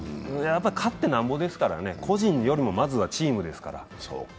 勝ってなんぼですから個人よりもまずはチームですから。